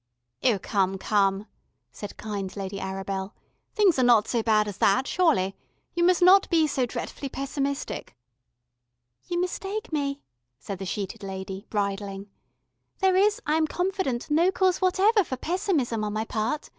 "Oh, come, come," said kind Lady Arabel. "Things are not so bad as that, surely. You must not be so dretfully pessimistic." "You mistake me," said the sheeted lady, bridling. "There is, I am confident, no cause whatever for pessimism on my part.